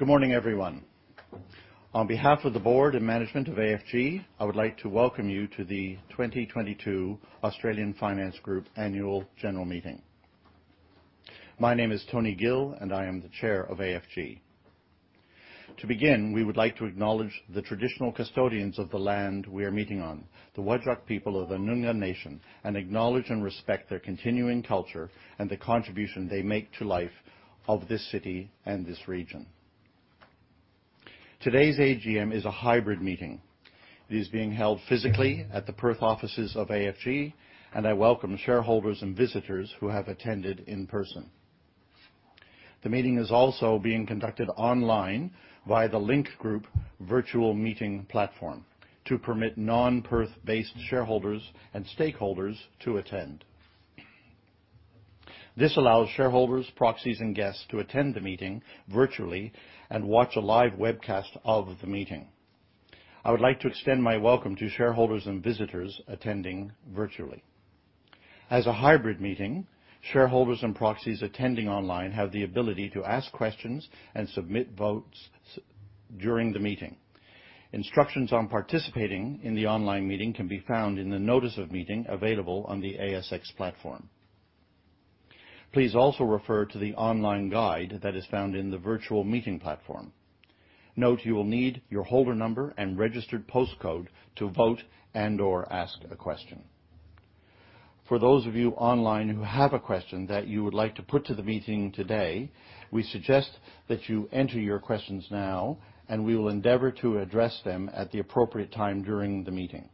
Good morning, everyone. On behalf of the Board and management of AFG, I would like to welcome you to the 2022 Australian Finance Group Annual General Meeting. My name is Tony Gill, and I am the Chair of AFG. To begin, we would like to acknowledge the traditional custodians of the land we are meeting on, the Whadjuk people of the Noongar nation, and acknowledge and respect their continuing culture and the contribution they make to life of this city and this region. Today's AGM is a hybrid meeting. It is being held physically at the Perth offices of AFG, and I welcome shareholders and visitors who have attended in person. The meeting is also being conducted online via the Link Group Virtual Meeting platform to permit non-Perth-based shareholders and stakeholders to attend. This allows shareholders, proxies, and guests to attend the meeting virtually and watch a live webcast of the meeting. I would like to extend my welcome to shareholders and visitors attending virtually. As a hybrid meeting, shareholders and proxies attending online have the ability to ask questions and submit votes during the meeting. Instructions on participating in the online meeting can be found in the notice of meeting available on the ASX platform. Please also refer to the online guide that is found in the virtual meeting platform. Note you will need your holder number and registered postcode to vote and/or ask a question. For those of you online who have a question that you would like to put to the meeting today, we suggest that you enter your questions now, and we will endeavor to address them at the appropriate time during the meeting.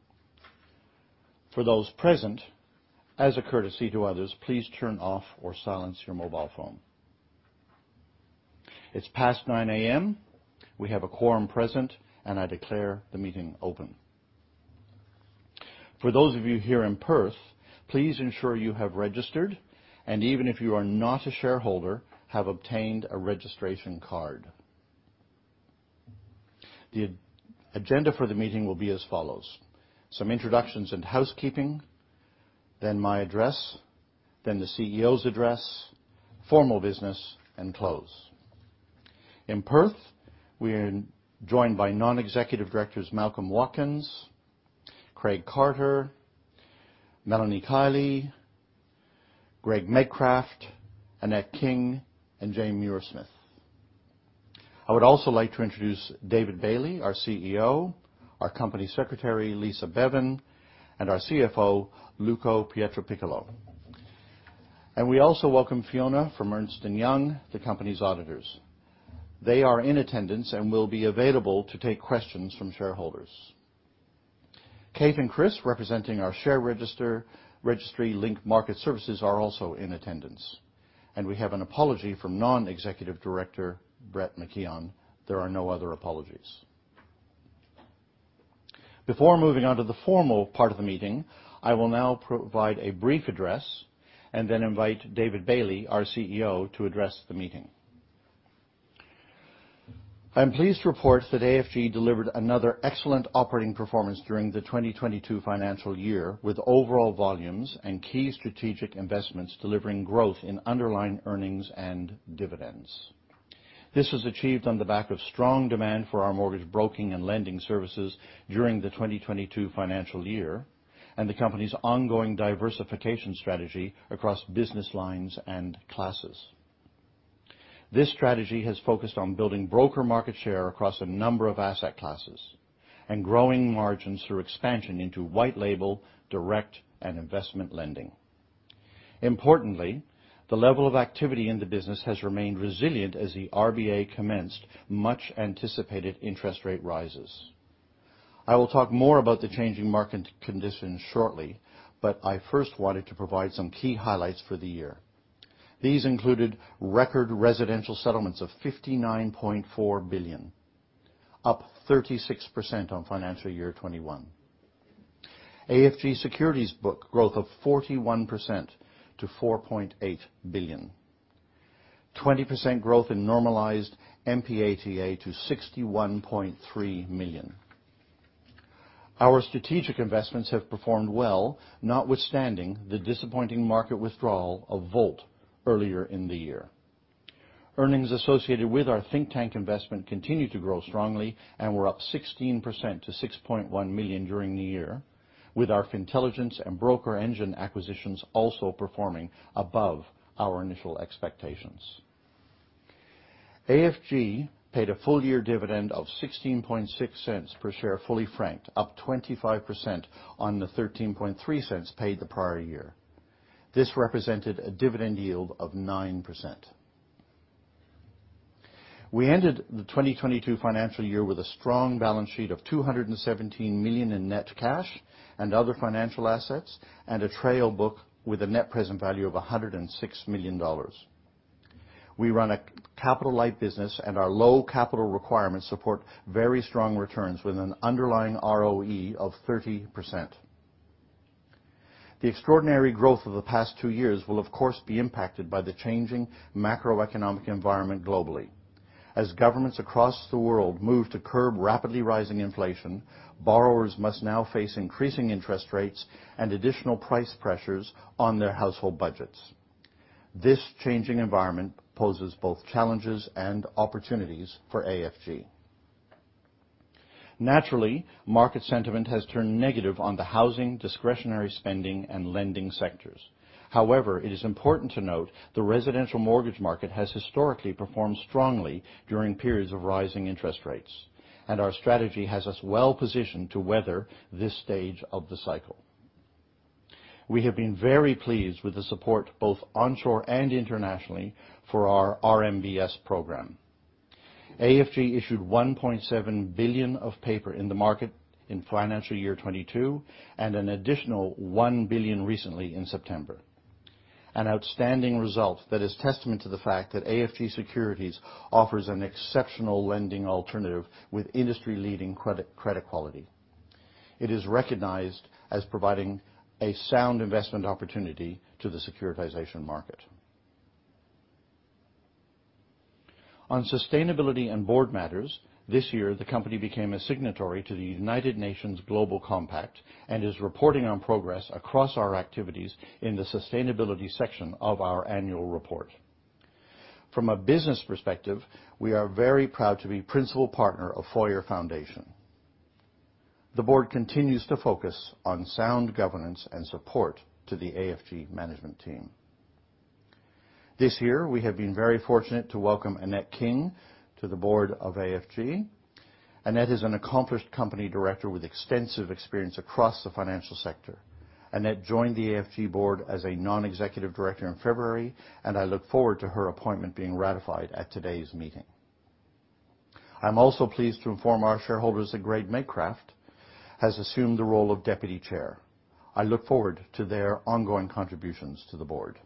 For those present, as a courtesy to others, please turn off or silence your mobile phone. It's past 9:00 A.M. We have a quorum present. I declare the meeting open. For those of you here in Perth, please ensure you have registered, and even if you are not a shareholder, have obtained a registration card. The agenda for the meeting will be as follows: some introductions and housekeeping, then my address, then the CEO's address, formal business, and close. In Perth, we're joined by Non-Executive Directors Malcolm Watkins, Craig Carter, Melanie Kiely, Greg Medcraft, Annette King, and Jane Muirsmith. I would also like to introduce David Bailey, our CEO, our Company Secretary, Lisa Bevan, and our CFO, Luca Pietropiccolo. We also welcome Fiona from Ernst & Young, the company's auditors. They are in attendance and will be available to take questions from shareholders. Kate and Chris, representing our share registry Link Market Services, are also in attendance. We have an apology from Non-Executive Director Brett McKeon. There are no other apologies. Before moving on to the formal part of the meeting, I will now provide a brief address and then invite David Bailey, our CEO, to address the meeting. I'm pleased to report that AFG delivered another excellent operating performance during the 2022 financial year, with overall volumes and key strategic investments delivering growth in underlying earnings and dividends. This was achieved on the back of strong demand for our mortgage broking and lending services during the 2022 financial year and the company's ongoing diversification strategy across business lines and classes. This strategy has focused on building broker market share across a number of asset classes and growing margins through expansion into white label, direct, and investment lending. Importantly, the level of activity in the business has remained resilient as the RBA commenced much anticipated interest rate rises. I will talk more about the changing market conditions shortly. I first wanted to provide some key highlights for the year. These included record residential settlements of 59.4 billion, up 36% on FY 2021. AFG Securities book growth of 41% to 4.8 billion. 20% growth in normalized NPATA to 61.3 million. Our strategic investments have performed well, notwithstanding the disappointing market withdrawal of Volt earlier in the year. Earnings associated with our Thinktank investment continued to grow strongly and were up 16% to 6.1 million during the year, with our Fintelligence and BrokerEngine acquisitions also performing above our initial expectations. AFG paid a full year dividend of 0.166 per share, fully franked, up 25% on the 0.133 paid the prior year. This represented a dividend yield of 9%. We ended the 2022 financial year with a strong balance sheet of 217 million in net cash and other financial assets and a trail book with a net present value of 106 million dollars. We run a capital-light business, and our low capital requirements support very strong returns with an underlying ROE of 30%. The extraordinary growth of the past two years will of course be impacted by the changing macroeconomic environment globally. As governments across the world move to curb rapidly rising inflation, borrowers must now face increasing interest rates and additional price pressures on their household budgets. This changing environment poses both challenges and opportunities for AFG. Naturally, market sentiment has turned negative on the housing, discretionary spending, and lending sectors. It is important to note the residential mortgage market has historically performed strongly during periods of rising interest rates, and our strategy has us well positioned to weather this stage of the cycle. We have been very pleased with the support, both onshore and internationally, for our RMBS program. AFG issued 1.7 billion of paper in the market in financial year 22, and an additional 1 billion recently in September. An outstanding result that is testament to the fact that AFG Securities offers an exceptional lending alternative with industry-leading credit quality. It is recognized as providing a sound investment opportunity to the securitization market. On sustainability and board matters, this year the company became a signatory to the United Nations Global Compact and is reporting on progress across our activities in the sustainability section of our annual report. From a business perspective, we are very proud to be principal partner of Foyer Foundation. The board continues to focus on sound governance and support to the AFG management team. This year, we have been very fortunate to welcome Annette King to the board of AFG. Annette is an accomplished company director with extensive experience across the financial sector. Annette joined the AFG board as a non-executive director in February, and I look forward to her appointment being ratified at today's meeting. I'm also pleased to inform our shareholders that Greg Medcraft has assumed the role of deputy chair. I look forward to their ongoing contributions to the board.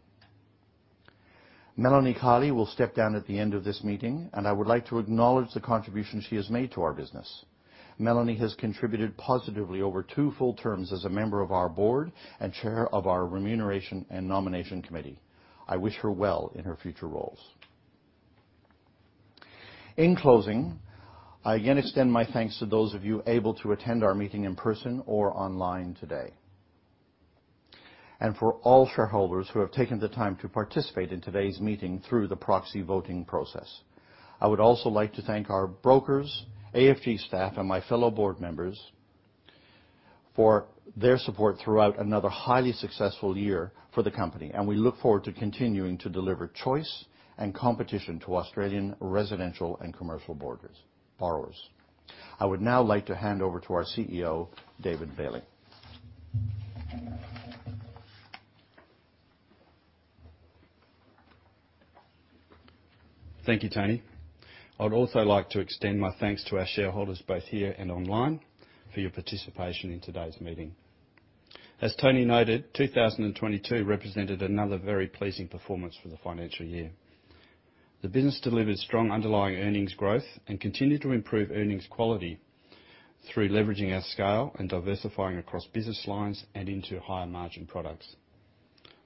Melanie Kiely will step down at the end of this meeting, and I would like to acknowledge the contributions she has made to our business. Melanie has contributed positively over two full terms as a member of our board and chair of our Remuneration and Nomination Committee. I wish her well in her future roles. In closing, I again extend my thanks to those of you able to attend our meeting in person or online today. For all shareholders who have taken the time to participate in today's meeting through the proxy voting process. I would also like to thank our brokers, AFG staff, and my fellow board members for their support throughout another highly successful year for the company, and we look forward to continuing to deliver choice and competition to Australian residential and commercial borrowers. I would now like to hand over to our CEO, David Bailey. Thank you, Tony. I would also like to extend my thanks to our shareholders, both here and online, for your participation in today's meeting. As Tony noted, 2022 represented another very pleasing performance for the financial year. The business delivered strong underlying earnings growth and continued to improve earnings quality through leveraging our scale and diversifying across business lines and into higher-margin products.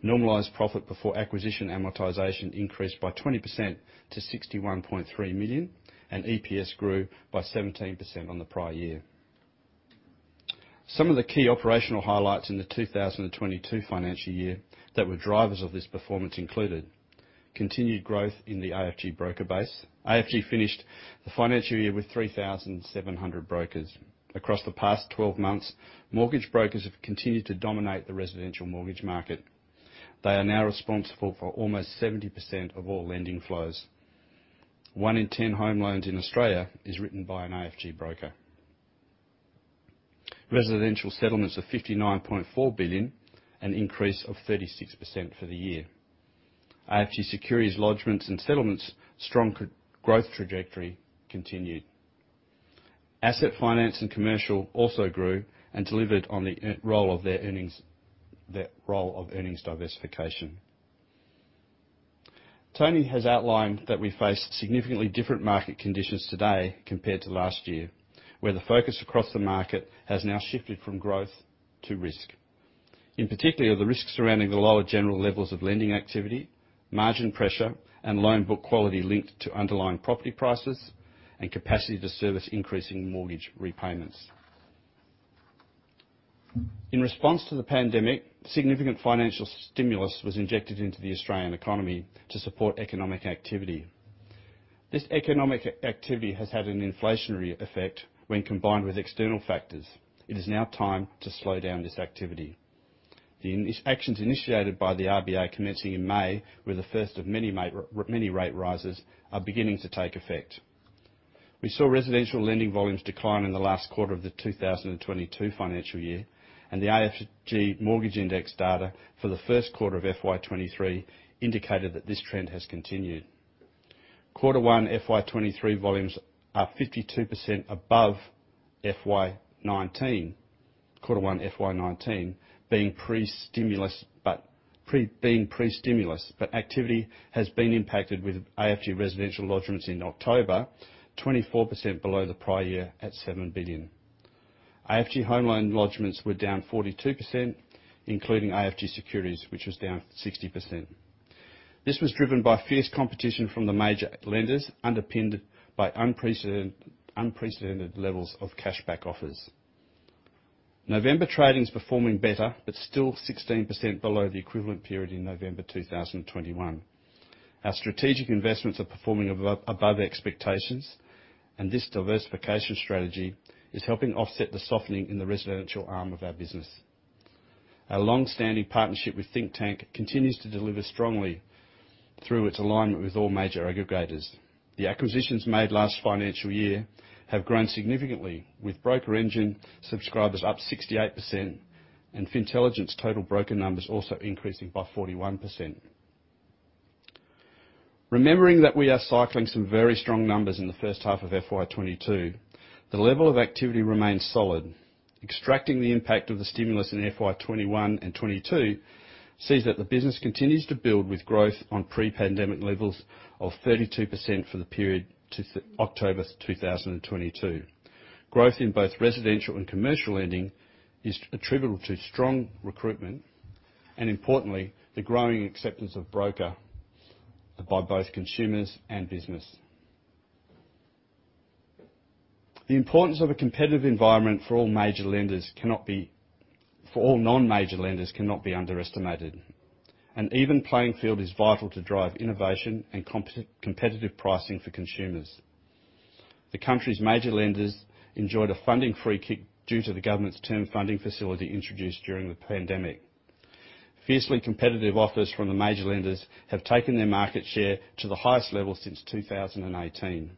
Normalized profit before acquisition amortization increased by 20% to 61.3 million, and EPS grew by 17% on the prior year. Some of the key operational highlights in the 2022 financial year that were drivers of this performance included continued growth in the AFG broker base. AFG finished the financial year with 3,700 brokers. Across the past 12 months, mortgage brokers have continued to dominate the residential mortgage market. They are now responsible for almost 70% of all lending flows. One in 10 home loans in Australia is written by an AFG broker. Residential settlements of 59.4 billion, an increase of 36% for the year. AFG Securities lodgments and settlements' strong growth trajectory continued. Asset finance and commercial also grew and delivered on the their role of their earnings, their role of earnings diversification. Tony has outlined that we face significantly different market conditions today compared to last year, where the focus across the market has now shifted from growth to risk. In particular, the risks surrounding the lower general levels of lending activity, margin pressure, and loan book quality linked to underlying property prices and capacity to service increasing mortgage repayments. In response to the pandemic, significant financial stimulus was injected into the Australian economy to support economic activity. This economic activity has had an inflationary effect when combined with external factors. It is now time to slow down this activity. The actions initiated by the RBA commencing in May were the first of many rate rises beginning to take effect. We saw residential lending volumes decline in the last quarter of the 2022 financial year. The AFG Mortgage Index data for the first quarter of FY 2023 indicated that this trend has continued. Quarter one FY 2023 volumes are 52 above FY 2019, quarter one FY 2019 being pre-stimulus. Activity has been impacted with AFG residential lodgments in October, 24% below the prior year at 7 billion. AFG home loan lodgments were down 42%, including AFG Securities, which was down 60%. This was driven by fierce competition from the major lenders, underpinned by unprecedented levels of cashback offers. November trading is performing better, but still 16% below the equivalent period in November 2021. Our strategic investments are performing above expectations, and this diversification strategy is helping offset the softening in the residential arm of our business. Our long-standing partnership with Thinktank continues to deliver strongly through its alignment with all major aggregators. The acquisitions made last financial year have grown significantly, with BrokerEngine subscribers up 68% and Fintelligence total broker numbers also increasing by 41%. Remembering that we are cycling some very strong numbers in the first half of FY 2022, the level of activity remains solid. Extracting the impact of the stimulus in FY 2021 and 2022 sees that the business continues to build with growth on pre-pandemic levels of 32% for the period to October 2022. Growth in both residential and commercial lending is attributable to strong recruitment, and importantly, the growing acceptance of broker by both consumers and business. The importance of a competitive environment for all non-major lenders cannot be underestimated. An even playing field is vital to drive innovation and competitive pricing for consumers. The country's major lenders enjoyed a funding free kick due to the government's term funding facility introduced during the pandemic. Fiercely competitive offers from the major lenders have taken their market share to the highest level since 2018.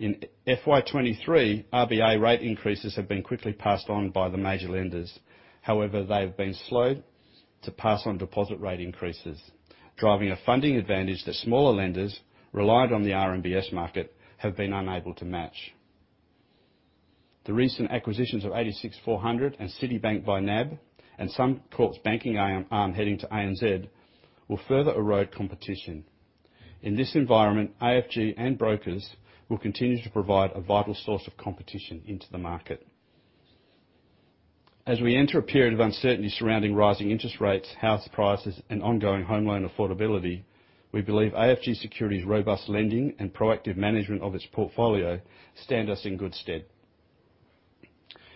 In FY 2023, RBA rate increases have been quickly passed on by the major lenders. They have been slowed to pass on deposit rate increases, driving a funding advantage that smaller lenders relied on the RMBS market have been unable to match. The recent acquisitions of 86,400 and Citibank by NAB and Suncorp's banking arm heading to ANZ, will further erode competition. In this environment, AFG and brokers will continue to provide a vital source of competition into the market. As we enter a period of uncertainty surrounding rising interest rates, house prices, and ongoing home loan affordability, we believe AFG Securities' robust lending and proactive management of its portfolio stand us in good stead.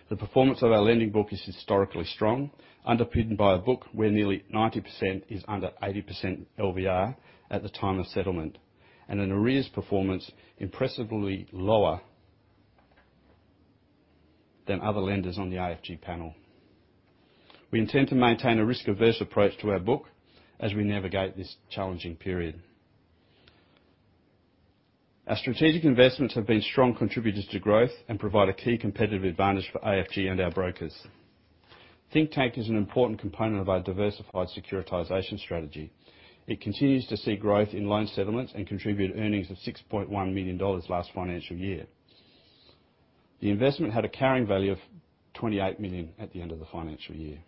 The performance of our lending book is historically strong, underpinned by a book where nearly 90% is under 80% LVR at the time of settlement, and an arrears performance impressively lower than other lenders on the AFG panel. We intend to maintain a risk-averse approach to our book as we navigate this challenging period. Our strategic investments have been strong contributors to growth and provide a key competitive advantage for AFG and our brokers. Thinktank is an important component of our diversified securitization strategy. It continues to see growth in loan settlements and contribute earnings of 6.1 million dollars last financial year. The investment had a carrying value of 28 million at the end of the financial year.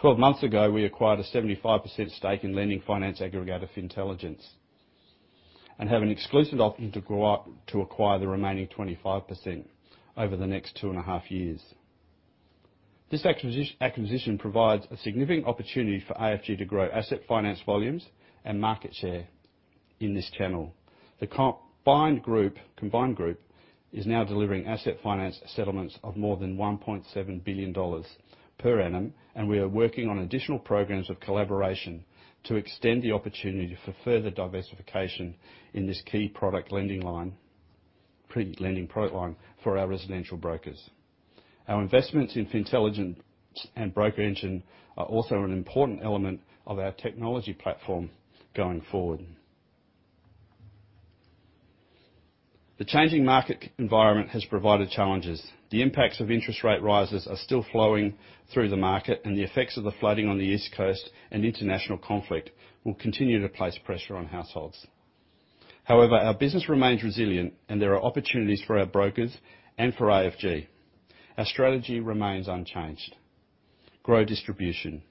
12 months ago, we acquired a 75% stake in lending finance aggregator Fintelligence and have an exclusive option to grow up to acquire the remaining 25% over the next two and a half years. This acquisition provides a significant opportunity for AFG to grow asset finance volumes and market share in this channel. The combined group is now delivering asset finance settlements of more than $1.7 billion per annum, and we are working on additional programs of collaboration to extend the opportunity for further diversification in this key product lending line, pre-lending pro line for our residential brokers. Our investments in Fintelligence and BrokerEngine are also an important element of our technology platform going forward. The changing market environment has provided challenges. The impacts of interest rate rises are still flowing through the market, and the effects of the flooding on the East Coast and international conflict will continue to place pressure on households. However, our business remains resilient and there are opportunities for our brokers and for AFG. Our strategy remains unchanged. Grow distribution,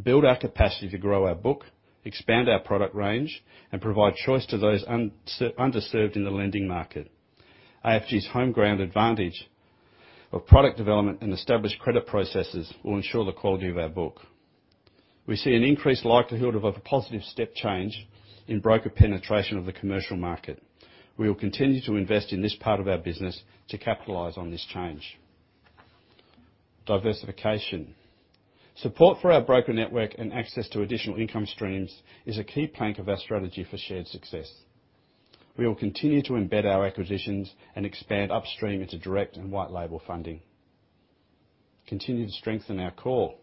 build our capacity to grow our book, expand our product range, and provide choice to those underserved in the lending market. AFG's home ground advantage of product development and established credit processes will ensure the quality of our book. We see an increased likelihood of a positive step change in broker penetration of the commercial market. We will continue to invest in this part of our business to capitalize on this change. Diversification. Support for our broker network and access to additional income streams is a key plank of our strategy for shared success. We will continue to embed our acquisitions and expand upstream into direct and white label funding. Continue to strengthen our core,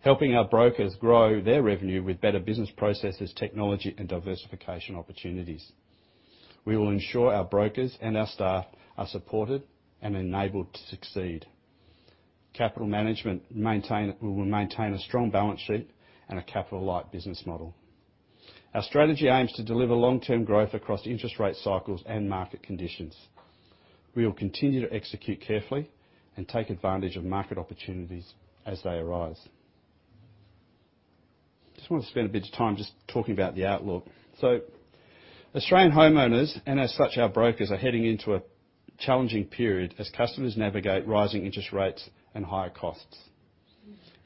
helping our brokers grow their revenue with better business processes, technology, and diversification opportunities. We will ensure our brokers and our staff are supported and enabled to succeed. We will maintain a strong balance sheet and a capital light business model. Our strategy aims to deliver long-term growth across interest rate cycles and market conditions. We will continue to execute carefully and take advantage of market opportunities as they arise. Just want to spend a bit of time just talking about the outlook. Australian homeowners, and as such our brokers, are heading into a challenging period as customers navigate rising interest rates and higher costs.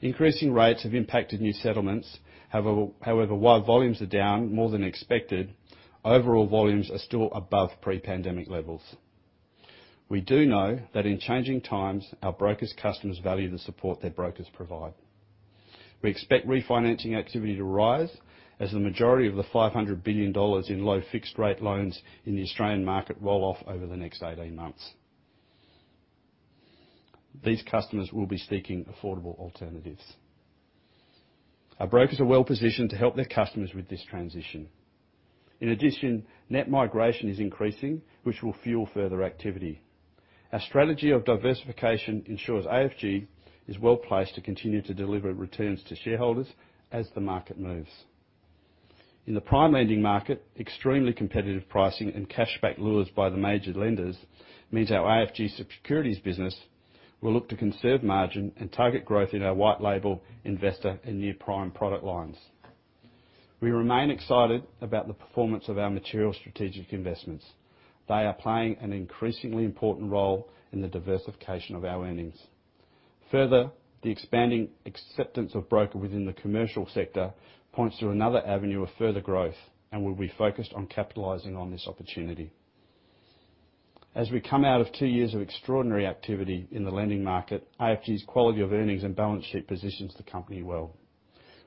Increasing rates have impacted new settlements. However, while volumes are down more than expected, overall volumes are still above pre-pandemic levels. We do know that in changing times, our brokers' customers value the support their brokers provide. We expect refinancing activity to rise as the majority of the 500 billion dollars in low fixed rate loans in the Australian market roll off over the next 18 months. These customers will be seeking affordable alternatives. Our brokers are well positioned to help their customers with this transition. Net migration is increasing, which will fuel further activity. Our strategy of diversification ensures AFG is well-placed to continue to deliver returns to shareholders as the market moves. In the prime lending market, extremely competitive pricing and cashback lures by the major lenders means our AFG Securities business will look to conserve margin and target growth in our white label investor and new prime product lines. We remain excited about the performance of our material strategic investments. They are playing an increasingly important role in the diversification of our earnings. The expanding acceptance of broker within the commercial sector points to another avenue of further growth, and we'll be focused on capitalizing on this opportunity. As we come out of two years of extraordinary activity in the lending market, AFG's quality of earnings and balance sheet positions the company well.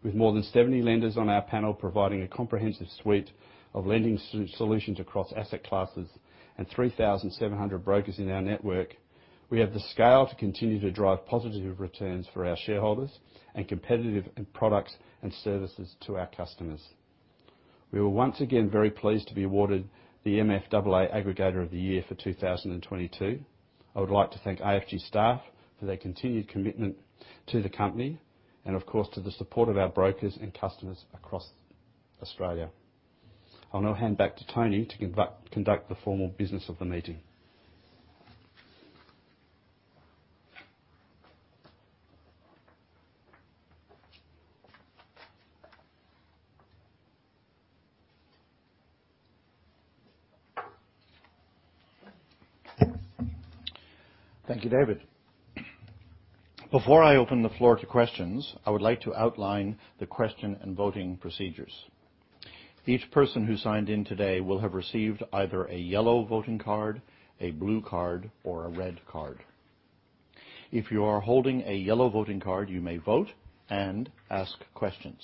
With more than 70 lenders on our panel providing a comprehensive suite of lending solutions across asset classes and 3,700 brokers in our network, we have the scale to continue to drive positive returns for our shareholders and competitive products and services to our customers. We were once again very pleased to be awarded the MFAA Aggregator of the Year for 2022. I would like to thank AFG staff for their continued commitment to the company and, of course, to the support of our brokers and customers across Australia. I'll now hand back to Tony to conduct the formal business of the meeting. Thank you, David. Before I open the floor to questions, I would like to outline the question and voting procedures. Each person who signed in today will have received either a yellow voting card, a blue card, or a red card. If you are holding a yellow voting card, you may vote and ask questions.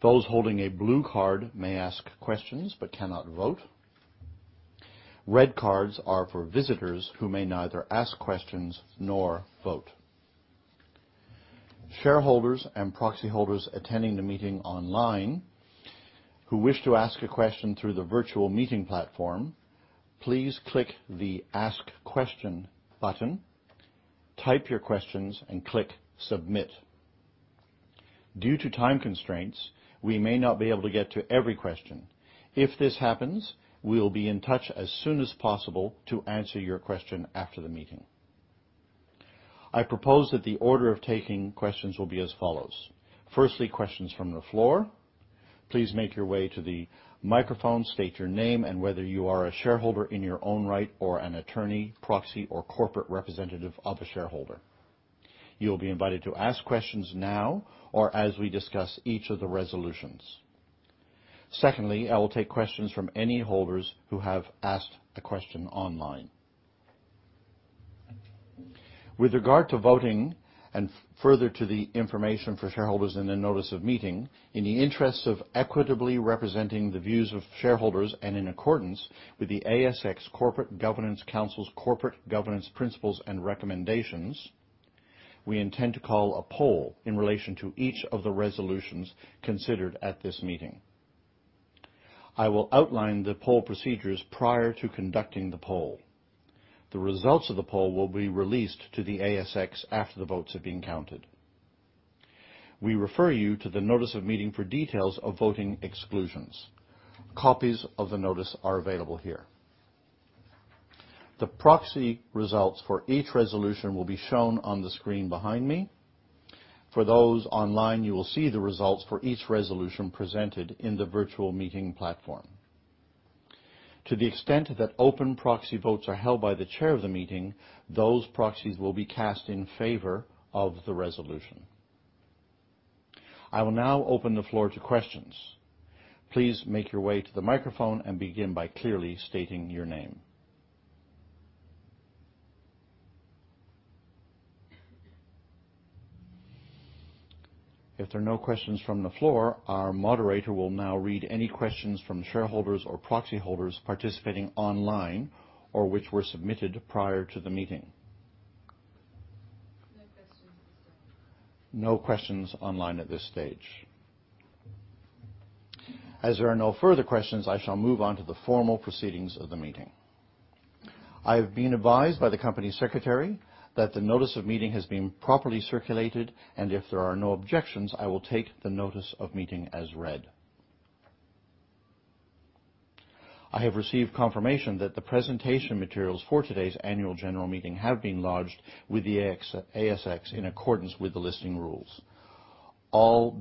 Those holding a blue card may ask questions but cannot vote. Red cards are for visitors who may neither ask questions nor vote. Shareholders and proxy holders attending the meeting online who wish to ask a question through the virtual meeting platform, please click the Ask Question button, type your questions, and click Submit. Due to time constraints, we may not be able to get to every question. If this happens, we will be in touch as soon as possible to answer your question after the meeting. I propose that the order of taking questions will be as follows. Firstly, questions from the floor. Please make your way to the microphone, state your name and whether you are a shareholder in your own right or an attorney, proxy, or corporate representative of a shareholder. You will be invited to ask questions now or as we discuss each of the resolutions. Secondly, I will take questions from any holders who have asked a question online. With regard to voting and further to the information for shareholders in the notice of meeting, in the interests of equitably representing the views of shareholders and in accordance with the ASX Corporate Governance Council's corporate governance principles and recommendations, we intend to call a poll in relation to each of the resolutions considered at this meeting. I will outline the poll procedures prior to conducting the poll. The results of the poll will be released to the ASX after the votes have been counted. We refer you to the notice of meeting for details of voting exclusions. Copies of the notice are available here. The proxy results for each resolution will be shown on the screen behind me. For those online, you will see the results for each resolution presented in the virtual meeting platform. To the extent that open proxy votes are held by the chair of the meeting, those proxies will be cast in favor of the resolution. I will now open the floor to questions. Please make your way to the microphone and begin by clearly stating your name. If there are no questions from the floor, our moderator will now read any questions from shareholders or proxy holders participating online or which were submitted prior to the meeting. No questions at this time. No questions online at this stage. There are no further questions, I shall move on to the formal proceedings of the meeting. I've been advised by the Company Secretary that the notice of meeting has been properly circulated, and if there are no objections, I will take the notice of meeting as read. I have received confirmation that the presentation materials for today's annual general meeting have been lodged with the ASX in accordance with the listing rules. All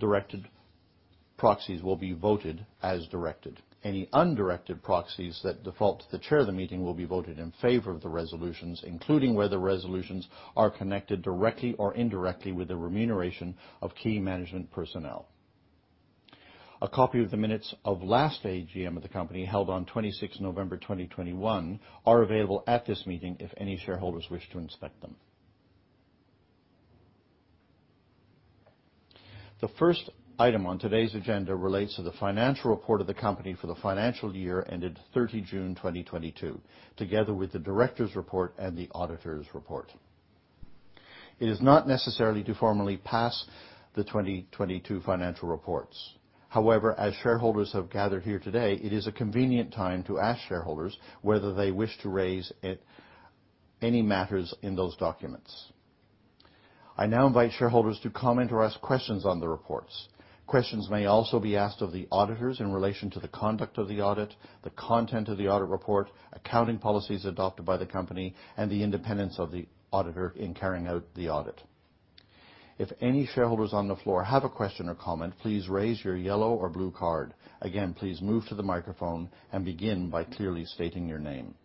proxies will be voted as directed. Any undirected proxies that default to the Chair of the Meeting will be voted in favor of the resolutions, including where the resolutions are connected directly or indirectly with the remuneration of key management personnel. A copy of the minutes of last AGM of the company, held on 26 November 2021, are available at this meeting if any shareholders wish to inspect them. The first item on today's agenda relates to the financial report of the company for the financial year ended 30 June 2022, together with the director's report and the auditor's report. It is not necessary to formally pass the 2022 financial reports. As shareholders have gathered here today, it is a convenient time to ask shareholders whether they wish to raise any matters in those documents. I now invite shareholders to comment or ask questions on the reports. Questions may also be asked of the auditors in relation to the conduct of the audit, the content of the audit report, accounting policies adopted by the company, and the independence of the auditor in carrying out the audit. If any shareholders on the floor have a question or comment, please raise your yellow or blue card. Please move to the microphone and begin by clearly stating your name.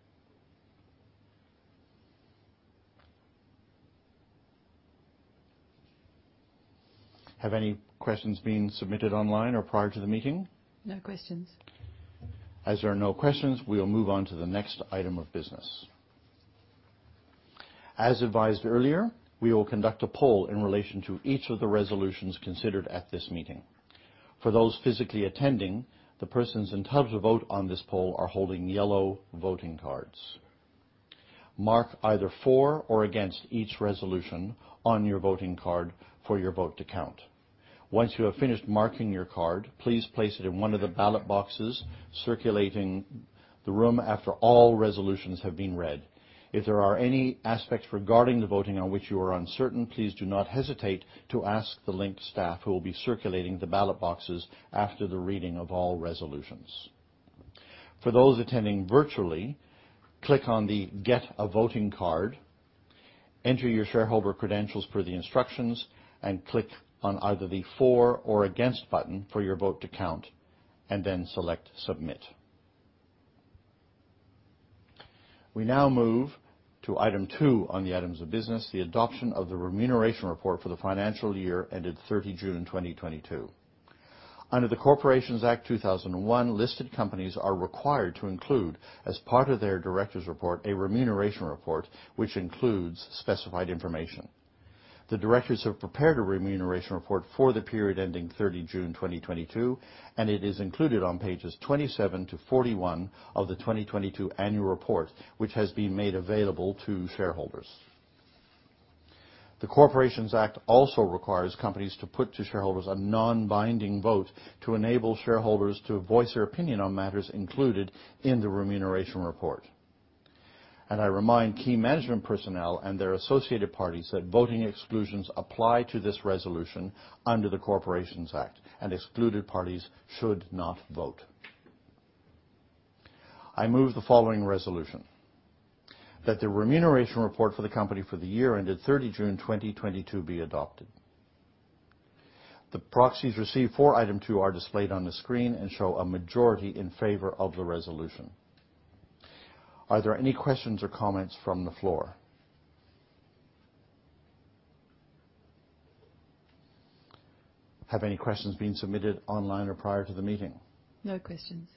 Have any questions been submitted online or prior to the meeting? No questions. As there are no questions, we will move on to the next item of business. As advised earlier, we will conduct a poll in relation to each of the resolutions considered at this meeting. For those physically attending, the persons entitled to vote on this poll are holding yellow voting cards. Mark either for or against each resolution on your voting card for your vote to count. Once you have finished marking your card, please place it in one of the ballot boxes circulating the room after all resolutions have been read. If there are any aspects regarding the voting on which you are uncertain, please do not hesitate to ask the Link staff who will be circulating the ballot boxes after the reading of all resolutions. For those attending virtually, click on the Get A Voting Card, enter your shareholder credentials per the instructions, click on either the For or Against button for your vote to count, then select Submit. We now move to item two on the items of business, the adoption of the remuneration report for the financial year ended 30 June 2022. Under the Corporations Act 2001, listed companies are required to include, as part of their director's report, a remuneration report which includes specified information. The directors have prepared a remuneration report for the period ending 30 June 2022, it is included on pages 27 to 41 of the 2022 annual report, which has been made available to shareholders. The Corporations Act also requires companies to put to shareholders a non-binding vote to enable shareholders to voice their opinion on matters included in the remuneration report. I remind key management personnel and their associated parties that voting exclusions apply to this resolution under the Corporations Act, and excluded parties should not vote. I move the following resolution: that the remuneration report for the company for the year ended 30 June 2022 be adopted. The proxies received for item two are displayed on the screen and show a majority in favor of the resolution. Are there any questions or comments from the floor? Have any questions been submitted online or prior to the meeting? No questions.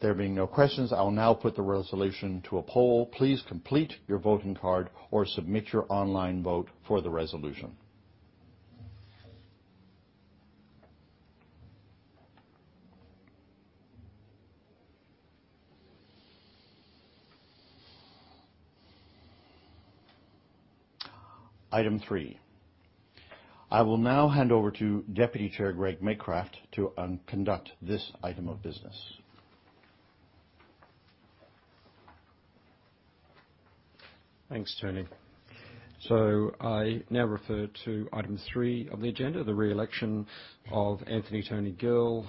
There being no questions, I will now put the resolution to a poll. Please complete your voting card or submit your online vote for the resolution. Item three. I will now hand over to Deputy Chair Greg Medcraft to conduct this item of business. Thanks, Tony. I now refer to item three of the agenda, the re-election of Anthony "Tony" Gill,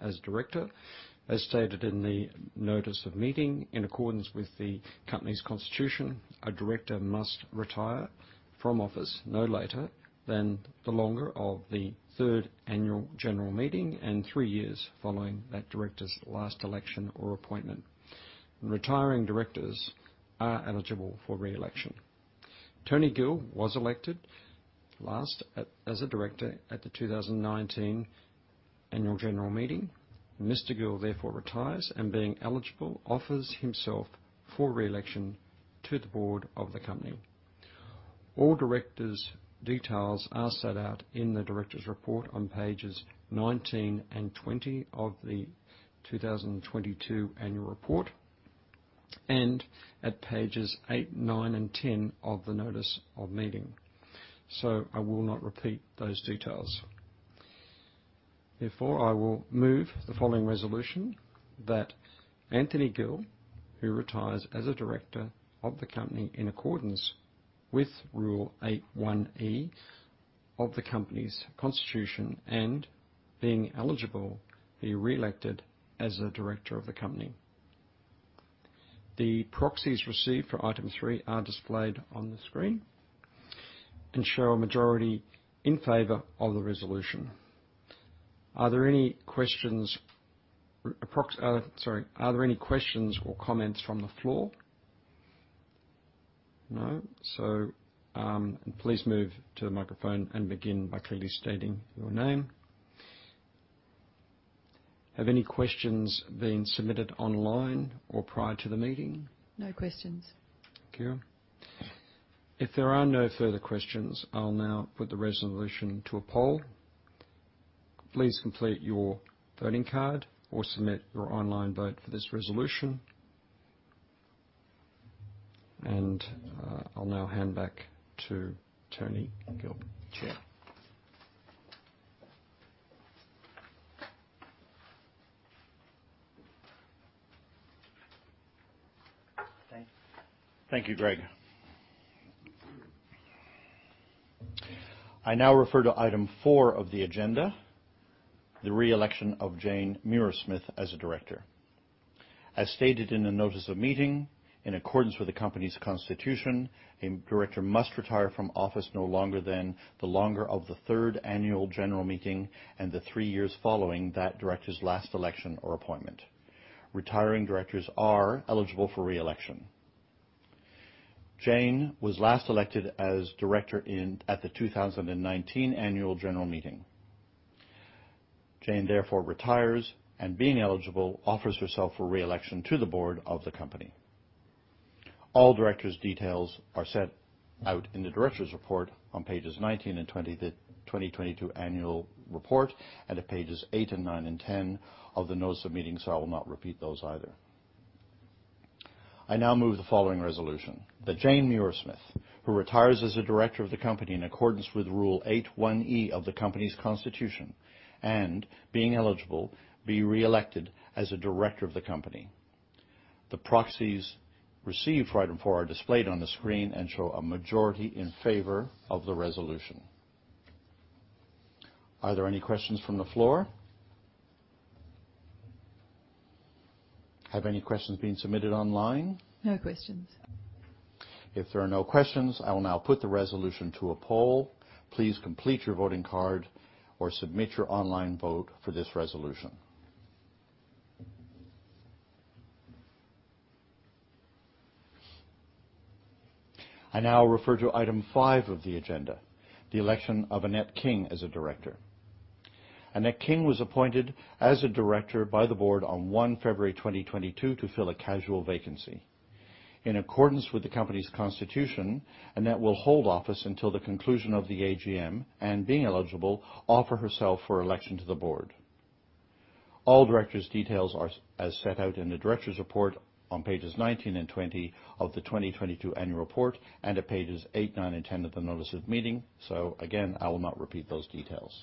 as director. As stated in the notice of meeting, in accordance with the company's constitution, a director must retire from office no later than the longer of the third annual general meeting and three years following that director's last election or appointment. Retiring directors are eligible for re-election. Tony Gill was elected last at, as a director at the 2019 annual general meeting. Mr. Gill therefore retires, and being eligible, offers himself for re-election to the board of the company. All directors' details are set out in the director's report on pages 19 and 20 of the 2022 annual report, and at pages 8, 9 and 10 of the notice of meeting. I will not repeat those details. I will move the following resolution, that Anthony Gill, who retires as a director of the company in accordance with Rule 8.1(e) of the company's constitution, and being eligible, be re-elected as a director of the company. The proxies received for item three are displayed on the screen and show a majority in favor of the resolution. Are there any questions or sorry, are there any questions or comments from the floor? No. Please move to the microphone and begin by clearly stating your name. Have any questions been submitted online or prior to the meeting? No questions. Thank you. If there are no further questions, I'll now put the resolution to a poll. Please complete your voting card or submit your online vote for this resolution. I'll now hand back to Tony Gill, Chair. Thank you, Greg. I now refer to item four of the agenda, the re-election of Jane Muirsmith as a director. As stated in the notice of meeting, in accordance with the company's constitution, a director must retire from office no longer than the longer of the third annual general meeting and the three years following that director's last election or appointment. Retiring directors are eligible for re-election. Jane was last elected as director at the 2019 annual general meeting. Jane therefore retires, and being eligible, offers herself for re-election to the board of the company. All directors' details are set out in the directors' report on pages 19 and 20, the 2022 annual report and at pages eight and nine and 10 of the notice of meeting, so I will not repeat those either. I now move the following resolution: that Jane Muirsmith, who retires as a director of the company in accordance with Rule 8.1(e) of the company's constitution, and being eligible, be re-elected as a director of the company. The proxies received for item four are displayed on the screen and show a majority in favor of the resolution. Are there any questions from the floor? Have any questions been submitted online? No questions. If there are no questions, I will now put the resolution to a poll. Please complete your voting card or submit your online vote for this resolution. I now refer to item five of the agenda, the election of Annette King as a director. Annette King was appointed as a director by the board on February 1, 2022 to fill a casual vacancy. In accordance with the company's constitution, Annette will hold office until the conclusion of the AGM, and being eligible, offer herself for election to the board. All directors' details are as set out in the directors' report on pages 19 and 20 of the 2022 annual report and at pages 8, 9, and 10 of the notice of meeting. Again, I will not repeat those details.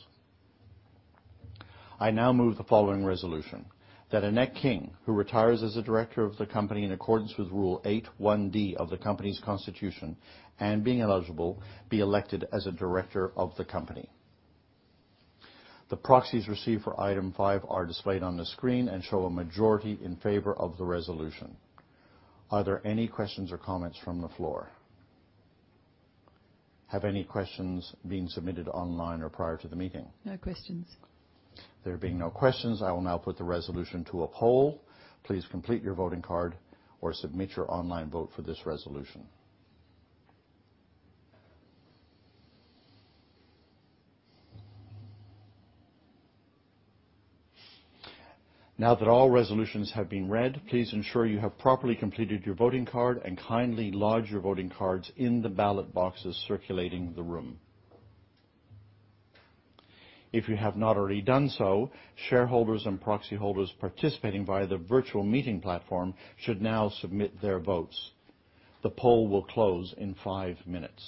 I now move the following resolution: that Annette King, who retires as a director of the company in accordance with Rule 8.1(d) of the company's constitution, and being eligible, be elected as a director of the company. The proxies received for item five are displayed on the screen and show a majority in favor of the resolution. Are there any questions or comments from the floor? Have any questions been submitted online or prior to the meeting? No questions. There being no questions, I will now put the resolution to a poll. Please complete your voting card or submit your online vote for this resolution. Now that all resolutions have been read, please ensure you have properly completed your voting card and kindly lodge your voting cards in the ballot boxes circulating the room. If you have not already done so, shareholders and proxy holders participating via the virtual meeting platform should now submit their votes. The poll will close in five minutes.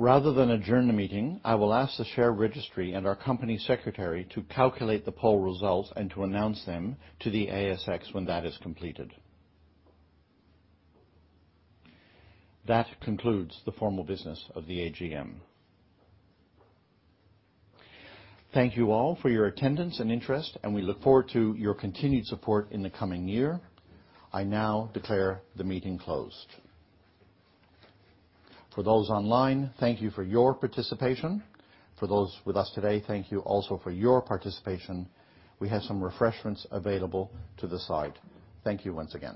Rather than adjourn the meeting, I will ask the share registry and our Company Secretary to calculate the poll results and to announce them to the ASX when that is completed. That concludes the formal business of the AGM. Thank you all for your attendance and interest. We look forward to your continued support in the coming year. I now declare the meeting closed. For those online, thank you for your participation. For those with us today, thank you also for your participation. We have some refreshments available to the side. Thank you once again.